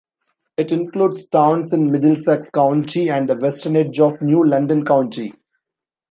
It includes towns in Middlesex County and the western edge of New London County.